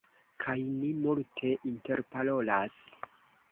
Kaj ni multe interparolas